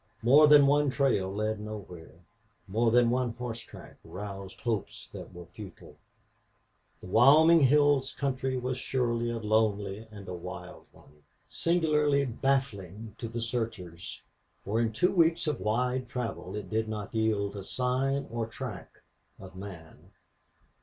More than one trail led nowhere; more than one horse track roused hopes that were futile. The Wyoming hills country was surely a lonely and a wild one, singularly baffling to the searchers, for in two weeks of wide travel it did not yield a sign or track of man.